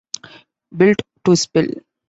Built to Spill.